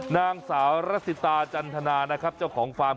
นางสาวรัสสิตาจันทนานะครับเจ้าของฟาร์ม